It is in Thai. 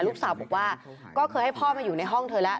ลูกสาวบอกว่าก็เคยให้พ่อมาอยู่ในห้องเธอแล้ว